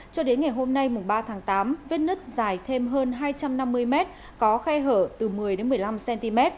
cho đến ngày hôm nay mùng ba tháng tám vết nứt dài thêm hơn hai trăm năm mươi mét có khe hở từ một mươi một mươi năm cm